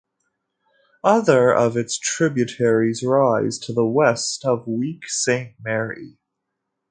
Other of its tributaries rise to the west of Week St Mary.